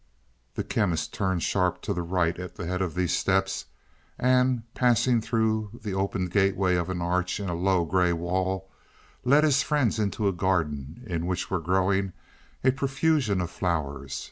The Chemist turned sharp to the right at the head of these steps, and, passing through the opened gateway of an arch in a low gray wall, led his friends into a garden in which were growing a profusion of flowers.